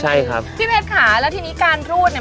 ใช่ครับพี่เพชรค่ะแล้วทีนี้การรูดเนี่ย